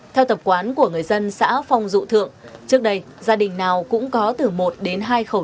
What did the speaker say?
theo tập quán của người dân xã phong dụ thượng trước đây gia đình nào cũng có từ một đến hai khẩu